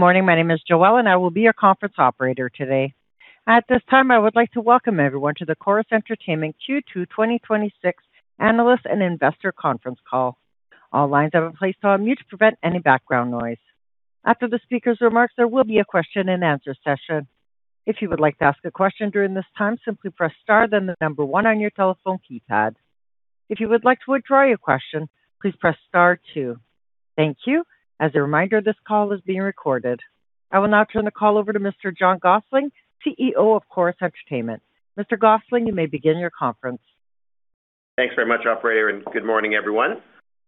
Good morning. My name is Joelle, and I will be your conference operator today. At this time, I would like to welcome everyone to the Corus Entertainment Q2 2026 Analyst and Investor Conference Call. All lines have been placed on mute to prevent any background noise. After the speaker's remarks, there will be a question and answer session. If you would like to ask a question during this time, simply press star then the number one on your telephone keypad. If you would like to withdraw your question, please press star two. Thank you. As a reminder, this call is being recorded. I will now turn the call over to Mr. John Gossling, CEO of Corus Entertainment. Mr. Gossling, you may begin your conference. Thanks very much, Operator, and good morning, everyone.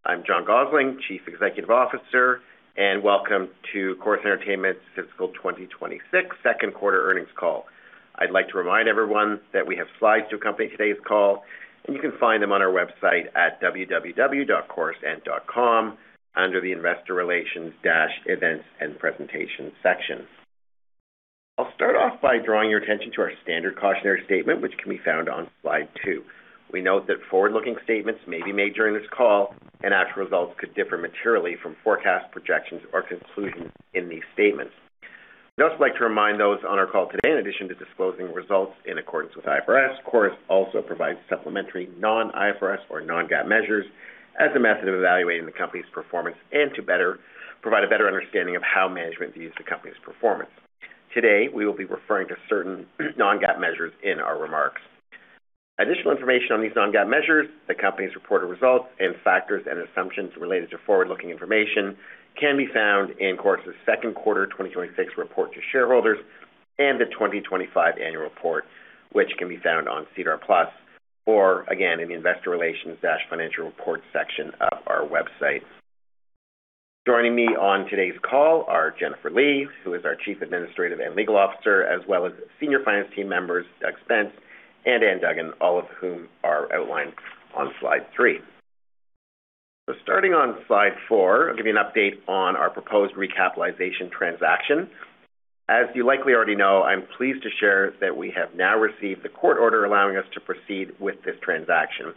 I'm John Gossling, Chief Executive Officer, and welcome to Corus Entertainment's fiscal 2026 second quarter earnings call. I'd like to remind everyone that we have slides to accompany today's call, and you can find them on our website at www.corusent.com under the Investor Relations, Events and Presentation section. I'll start off by drawing your attention to our standard cautionary statement, which can be found on slide 2. We note that forward-looking statements may be made during this call, and actual results could differ materially from forecast projections or conclusions in these statements. I'd also like to remind those on our call today, in addition to disclosing results in accordance with IFRS, Corus also provides supplementary non-IFRS or non-GAAP measures as a method of evaluating the company's performance and to provide a better understanding of how management views the company's performance. Today, we will be referring to certain non-GAAP measures in our remarks. Additional information on these non-GAAP measures, the company's reported results, and factors and assumptions related to forward-looking information can be found in Corus' second quarter 2026 report to shareholders and the 2025 annual report, which can be found on SEDAR+ or, again, in the Investor Relations-Financial Report section of our website. Joining me on today's call are Jennifer Lee, who is our Chief Administrative and Legal Officer, as well as senior finance team members Doug Spence and Ann Duggan, all of whom are outlined on slide 3. Starting on slide 4, I'll give you an update on our proposed recapitalization transaction. As you likely already know, I'm pleased to share that we have now received the court order allowing us to proceed with this transaction.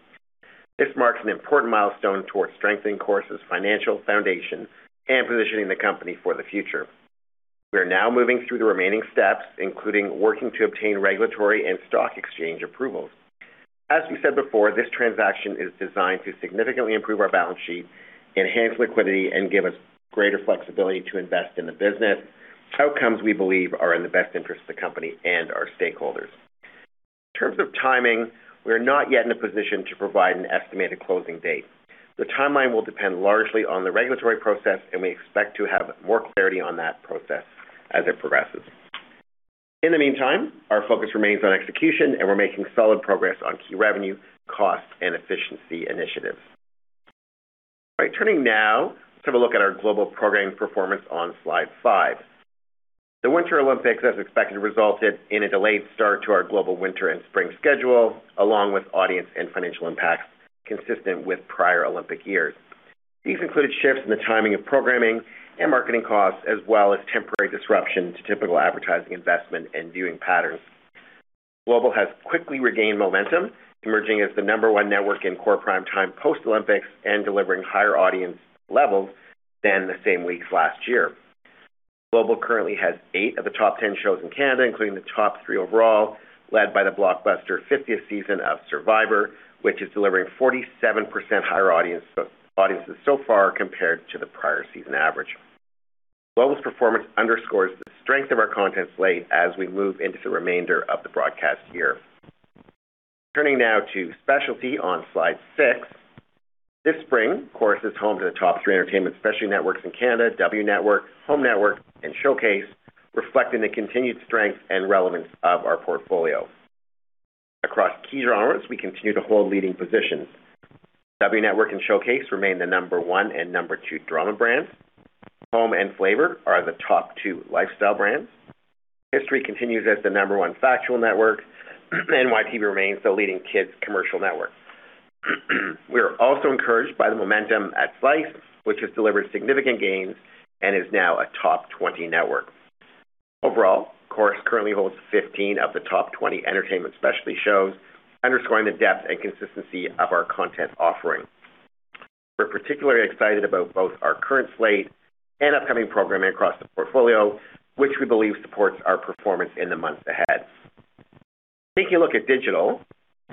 This marks an important milestone towards strengthening Corus' financial foundation and positioning the company for the future. We are now moving through the remaining steps, including working to obtain regulatory and stock exchange approvals. As we said before, this transaction is designed to significantly improve our balance sheet, enhance liquidity, and give us greater flexibility to invest in the business, outcomes we believe are in the best interest of the company and our stakeholders. In terms of timing, we are not yet in a position to provide an estimated closing date. The timeline will depend largely on the regulatory process, and we expect to have more clarity on that process as it progresses. In the meantime, our focus remains on execution, and we're making solid progress on key revenue, cost, and efficiency initiatives. All right. Turning now, let's have a look at our Global programming performance on slide 5. The Winter Olympics, as expected, resulted in a delayed start to our Global winter and spring schedule, along with audience and financial impacts consistent with prior Olympic years. These included shifts in the timing of programming and marketing costs, as well as temporary disruption to typical advertising investment and viewing patterns. Global has quickly regained momentum, emerging as the number one network in core prime time post-Olympics and delivering higher audience levels than the same weeks last year. Global currently has eight of the top 10 shows in Canada, including the top three overall, led by the blockbuster 50th season of Survivor, which is delivering 47% higher audiences so far compared to the prior season average. Global's performance underscores the strength of our content slate as we move into the remainder of the broadcast year. Turning now to specialty on slide 6. This spring, Corus is home to the top three entertainment specialty networks in Canada, W Network, Home Network, and Showcase, reflecting the continued strength and relevance of our portfolio. Across key genres, we continue to hold leading positions. W Network and Showcase remain the number one and number two drama brands. Home and Flavour are the top two lifestyle brands. History continues as the number one factual network, and YTV remains the leading kids commercial network. We are also encouraged by the momentum at Slice, which has delivered significant gains and is now a top 20 network. Overall, Corus currently holds 15 of the top 20 entertainment specialty shows, underscoring the depth and consistency of our content offering. We're particularly excited about both our current slate and upcoming programming across the portfolio, which we believe supports our performance in the months ahead. Taking a look at digital.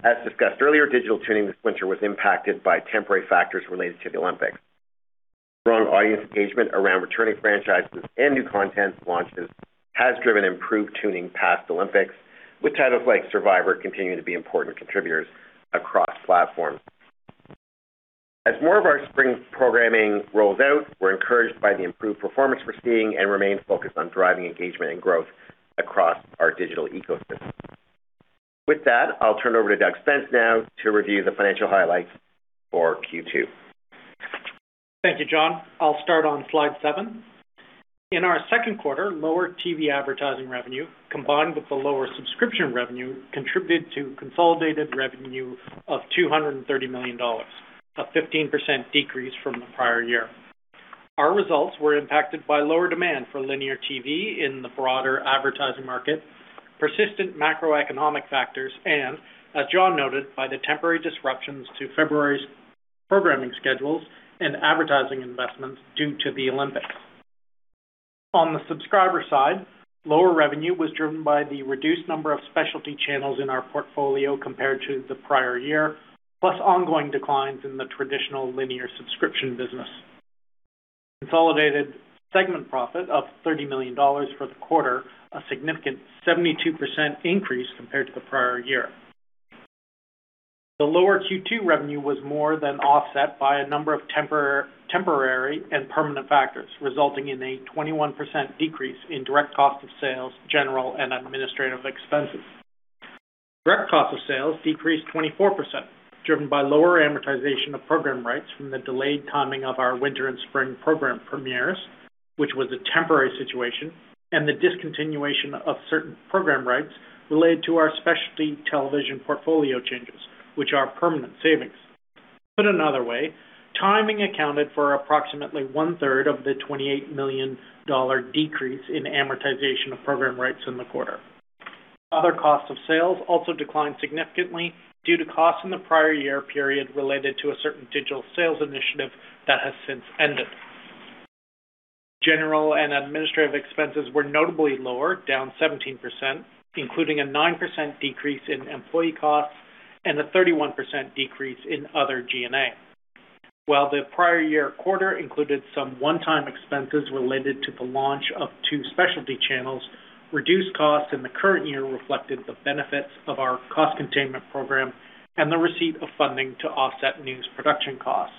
As discussed earlier, digital tuning this winter was impacted by temporary factors related to the Olympics. Strong audience engagement around returning franchises and new content launches has driven improved tuning past Olympics, with titles like Survivor continuing to be important contributors across platforms. As more of our spring programming rolls out, we're encouraged by the improved performance we're seeing and remain focused on driving engagement and growth across our digital ecosystem. With that, I'll turn it over to Doug Spence now to review the financial highlights for Q2. Thank you, John. I'll start on slide 7. In our second quarter, lower TV advertising revenue, combined with the lower subscription revenue, contributed to consolidated revenue of 230 million dollars, a 15% decrease from the prior year. Our results were impacted by lower demand for linear TV in the broader advertising market, persistent macroeconomic factors and, as John noted, by the temporary disruptions to February's Programming schedules and advertising investments due to the Olympics. On the subscriber side, lower revenue was driven by the reduced number of specialty channels in our portfolio compared to the prior year, plus ongoing declines in the traditional linear subscription business. Consolidated Segment Profit of 30 million dollars for the quarter, a significant 72% increase compared to the prior year. The lower Q2 revenue was more than offset by a number of temporary and permanent factors, resulting in a 21% decrease in Direct Cost of Sales, General and Administrative Expenses. Direct Cost of Sales decreased 24%, driven by lower amortization of program rights from the delayed timing of our winter and spring program premieres, which was a temporary situation, and the discontinuation of certain program rights related to our specialty television portfolio changes, which are permanent savings. Put another way, timing accounted for approximately one-third of the 28 million dollar decrease in amortization of program rights in the quarter. Other Cost of Sales also declined significantly due to costs in the prior year period related to a certain digital sales initiative that has since ended. General and Administrative expenses were notably lower, down 17%, including a 9% decrease in employee costs and a 31% decrease in other G&A. While the prior year quarter included some one-time expenses related to the launch of two specialty channels, reduced costs in the current year reflected the benefits of our cost containment program and the receipt of funding to offset news production costs.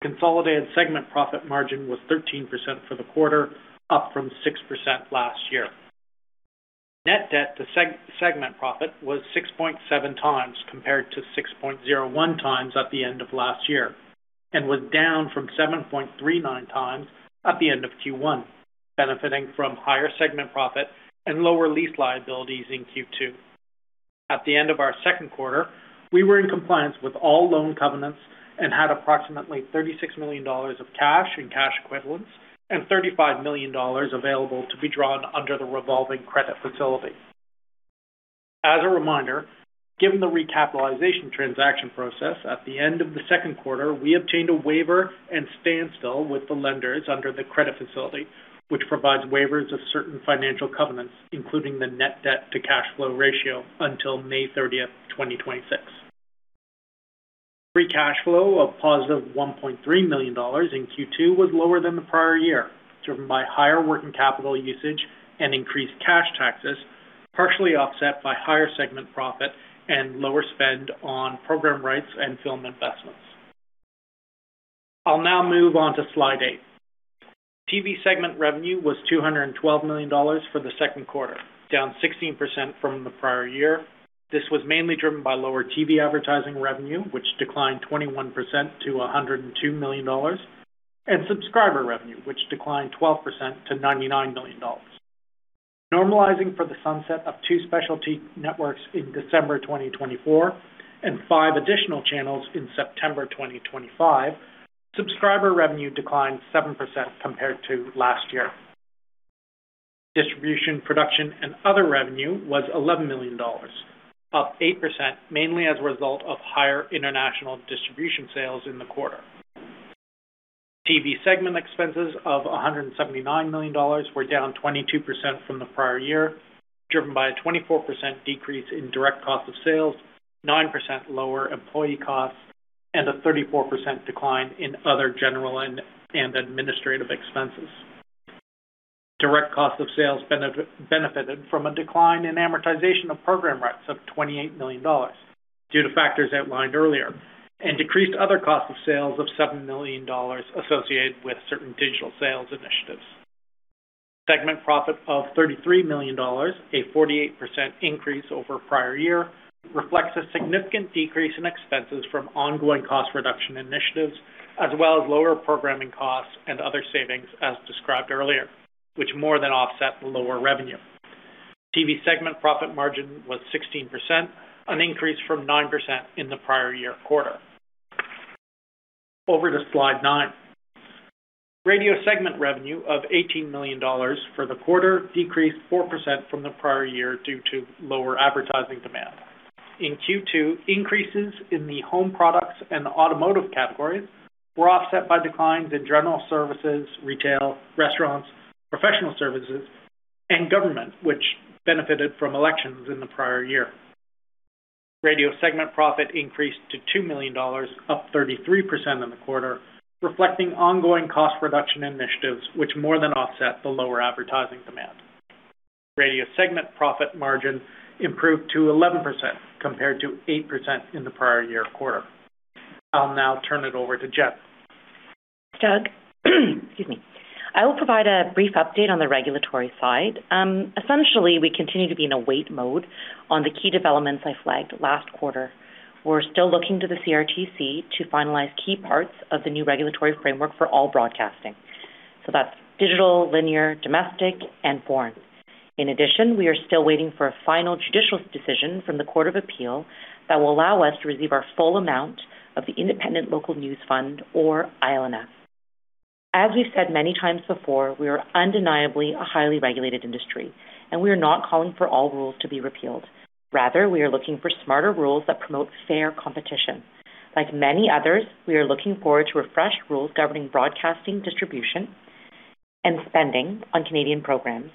Consolidated Segment Profit margin was 13% for the quarter, up from 6% last year. Net Debt to Segment Profit was 6.7x, compared to 6.01x at the end of last year, and was down from 7.39x at the end of Q1, benefiting from higher Segment Profit and lower lease liabilities in Q2. At the end of our second quarter, we were in compliance with all loan covenants and had approximately 36 million dollars of cash and cash equivalents and 35 million dollars available to be drawn under the Revolving Credit Facility. As a reminder, given the Recapitalization Transaction process at the end of the second quarter, we obtained a Waiver and Standstill with the lenders under the Credit Facility, which provides waivers of certain financial covenants, including the Net Debt to Cash Flow ratio until May 30th, 2026. Free cash flow of positive 1.3 million dollars in Q2 was lower than the prior year, driven by higher working capital usage and increased cash taxes, partially offset by higher Segment Profit and lower spend on program rights and film investments. I'll now move on to slide eight. TV Segment revenue was 212 million dollars for the second quarter, down 16% from the prior year. This was mainly driven by lower TV advertising revenue, which declined 21% to 102 million dollars, and subscriber revenue, which declined 12% to 99 million dollars. Normalizing for the sunset of two specialty networks in December 2024 and five additional channels in September 2025, subscriber revenue declined 7% compared to last year. Distribution, production, and other revenue was 11 million dollars, up 8%, mainly as a result of higher international distribution sales in the quarter. TV Segment expenses of 179 million dollars were down 22% from the prior year, driven by a 24% decrease in Direct Cost of Sales, 9% lower employee costs, and a 34% decline in other General and Administrative expenses. Direct Cost of Sales benefited from a decline in amortization of program rights of 28 million dollars due to factors outlined earlier, and decreased other costs of sales of 7 million dollars associated with certain digital sales initiatives. Segment Profit of 33 million dollars, a 48% increase over prior year, reflects a significant decrease in expenses from ongoing cost reduction initiatives, as well as lower programming costs and other savings as described earlier, which more than offset the lower revenue. TV Segment profit margin was 16%, an increase from 9% in the prior-year quarter. Over to slide nine. Radio segment revenue of 18 million dollars for the quarter decreased 4% from the prior year due to lower advertising demand. In Q2, increases in the home products and automotive categories were offset by declines in general services, retail, restaurants, professional services, and government, which benefited from elections in the prior year. Radio segment profit increased to 2 million dollars, up 33% in the quarter, reflecting ongoing cost reduction initiatives, which more than offset the lower advertising demand. Radio segment profit margin improved to 11%, compared to 8% in the prior year quarter. I'll now turn it over to Jen. Doug. Excuse me. I will provide a brief update on the regulatory side. Essentially, we continue to be in a wait mode on the key developments I flagged last quarter. We're still looking to the CRTC to finalize key parts of the new regulatory framework for all broadcasting. That's digital, linear, domestic, and foreign. In addition, we are still waiting for a final judicial decision from the Court of Appeal that will allow us to receive our full amount of the Independent Local News Fund, or ILNF. As we've said many times before, we are undeniably a highly regulated industry, and we are not calling for all rules to be repealed. Rather, we are looking for smarter rules that promote fair competition. Like many others, we are looking forward to refreshed rules governing broadcasting distribution and spending on Canadian programs,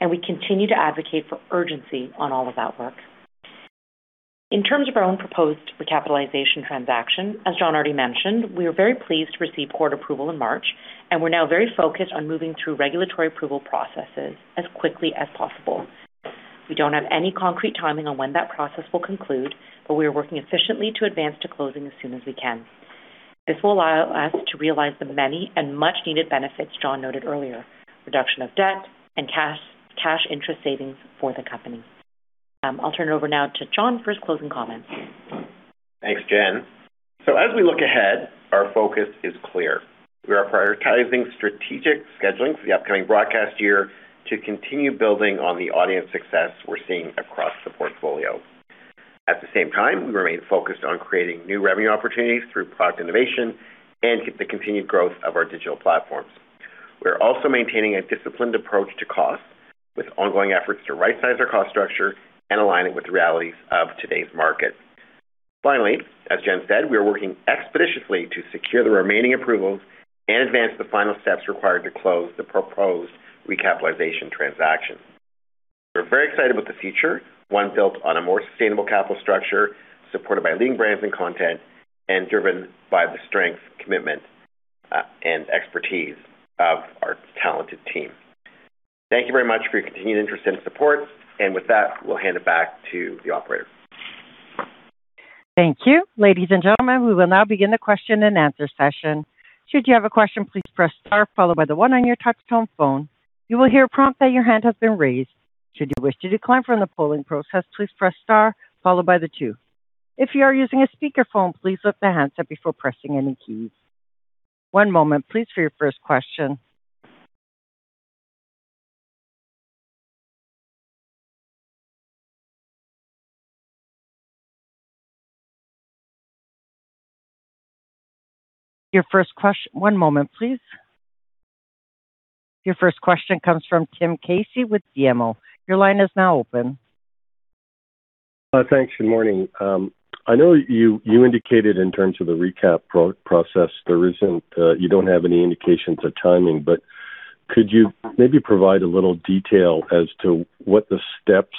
and we continue to advocate for urgency on all of that work. In terms of our own proposed recapitalization transaction, as John already mentioned, we were very pleased to receive court approval in March, and we're now very focused on moving through regulatory approval processes as quickly as possible. We don't have any concrete timing on when that process will conclude, but we are working efficiently to advance to closing as soon as we can. This will allow us to realize the many and much needed benefits John noted earlier, reduction of debt and cash interest savings for the company. I'll turn it over now to John for his closing comments. Thanks, Jen. As we look ahead, our focus is clear. We are prioritizing strategic scheduling for the upcoming broadcast year to continue building on the audience success we're seeing across the portfolio. At the same time, we remain focused on creating new revenue opportunities through product innovation and the continued growth of our digital platforms. We are also maintaining a disciplined approach to costs with ongoing efforts to right-size our cost structure and align it with the realities of today's market. Finally, as Jen said, we are working expeditiously to secure the remaining approvals and advance the final steps required to close the proposed recapitalization transaction. We're very excited about the future, one built on a more sustainable capital structure, supported by leading brands and content, and driven by the strength, commitment, and expertise of our talented team. Thank you very much for your continued interest and support. With that, we'll hand it back to the operator. Thank you. Ladies and gentlemen, we will now begin the question and answer session. Should you have a question, please press star followed by the one on your touch-tone phone. You will hear a prompt that your hand has been raised. Should you wish to decline from the polling process, please press star followed by the two. If you are using a speakerphone, please lift the handset before pressing any keys. One moment, please, for your first question. Your first question comes from Tim Casey with BMO. Your line is now open. Thanks. Good morning. I know you indicated in terms of the recap process, you don't have any indications of timing, but could you maybe provide a little detail as to what the steps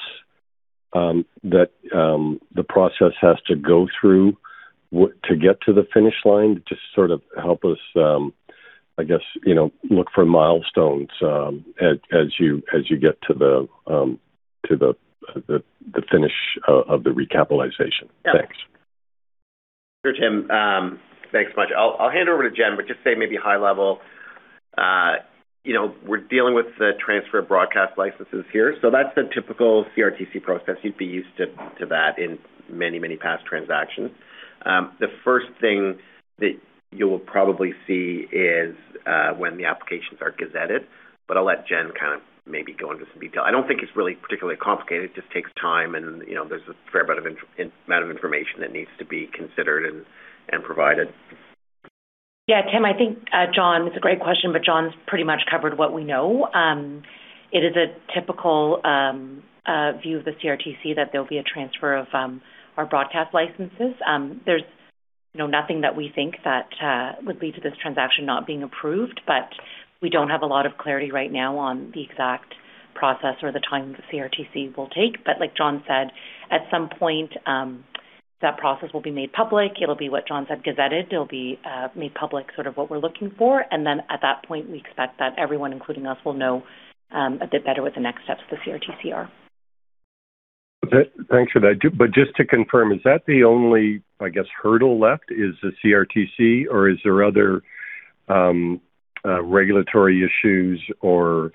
that the process has to go through to get to the finish line? Just sort of help us, I guess, look for milestones as you get to the finish of the recapitalization. Thanks. Sure, Tim. Thanks much. I'll hand it over to Jen, but just say maybe high level. We're dealing with the transfer of broadcast licenses here. That's the typical CRTC process. You'd be used to that in many, many past transactions. The first thing that you'll probably see is when the applications are gazetted, but I'll let Jen kind of maybe go into some detail. I don't think it's really particularly complicated. It just takes time, and there's a fair amount of information that needs to be considered and provided. Yeah, Tim, I think, John, it's a great question, but John's pretty much covered what we know. It is a typical view of the CRTC that there'll be a transfer of our broadcast licenses. There's nothing that we think that would lead to this transaction not being approved, but we don't have a lot of clarity right now on the exact process or the time the CRTC will take. Like John said, at some point, that process will be made public. It'll be what John said, gazetted. It'll be made public, sort of what we're looking for. At that point, we expect that everyone, including us, will know a bit better what the next steps to CRTC are. Thanks for that. Just to confirm, is that the only, I guess, hurdle left is the CRTC, or is there other regulatory issues, or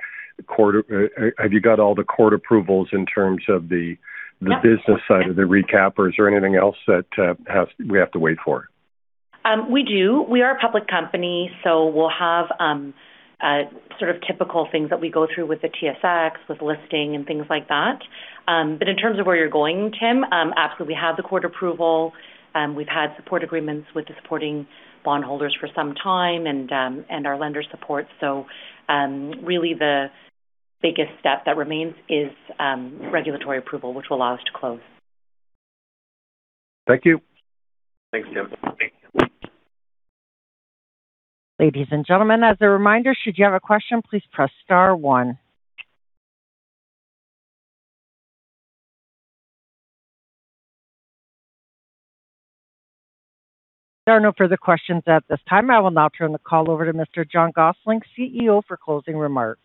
have you got all the court approvals in terms of the business side of the recap, or is there anything else that we have to wait for? We do. We are a public company, so we'll have sort of typical things that we go through with the TSX, with listing and things like that. In terms of where you're going, Tim, absolutely, we have the Court approval. We've had support agreements with the supporting bondholders for some time and our lender support. Really the biggest step that remains is regulatory approval, which will allow us to close. Thank you. Thanks, Tim. Ladies and gentlemen, as a reminder, should you have a question, please press star one. There are no further questions at this time. I will now turn the call over to Mr. John Gossling, CEO, for closing remarks.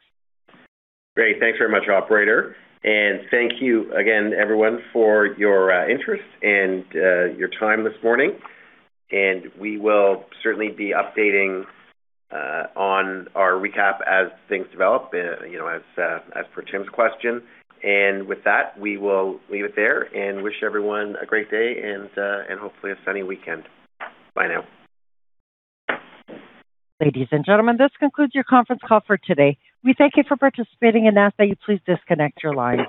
Great. Thanks very much, operator. Thank you again, everyone, for your interest and your time this morning. We will certainly be updating on our recap as things develop as per Tim's question. With that, we will leave it there and wish everyone a great day and hopefully a sunny weekend. Bye now. Ladies and gentlemen, this concludes your conference call for today. We thank you for participating and ask that you please disconnect your lines.